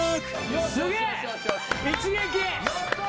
すげえ一撃！